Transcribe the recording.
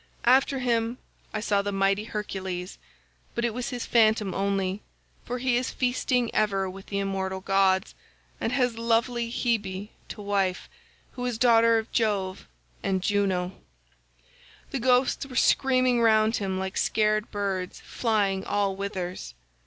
"After him I saw mighty Hercules, but it was his phantom only, for he is feasting ever with the immortal gods, and has lovely Hebe to wife, who is daughter of Jove and Juno. The ghosts were screaming round him like scared birds flying all whithers.